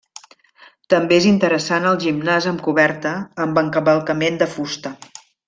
També és interessant el gimnàs amb coberta amb encavalcament de fusta.